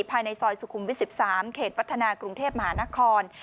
ภายในซอยสุขุมวิท๑๓เขตวัฒนากรุงเทพมหานคร